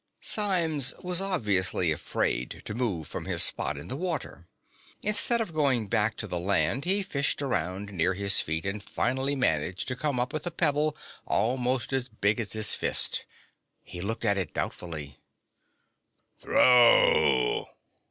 Symes was obviously afraid to move from his spot in the water. Instead of going back to the land, he fished around near his feet and finally managed to come up with a pebble almost as big as his fist. He looked at it doubtfully.